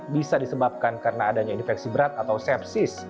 bisa disebabkan karena adanya infeksi berat atau sepsis